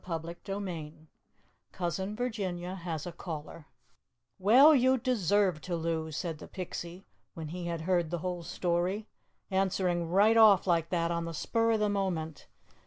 CHAPTER VIII COUSIN VIRGINIA HAS A CALLER "Well, you deserved to lose," said the Pixie when he had heard the whole story, "answering right off like that on the spur of the moment.